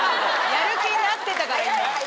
やる気になってたから今。